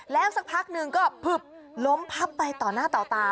แล้วสักพักหนึ่งก็พึบล้มพับไปต่อหน้าต่อตา